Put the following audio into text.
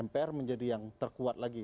mpr menjadi yang terkuat lagi